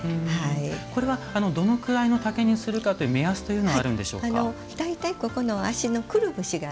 これはどのくらいの丈にするかという目安というのはあるんでしょうか。